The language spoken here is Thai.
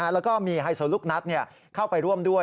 แล้วก็มีไฮโซลูกนัดเข้าไปร่วมด้วย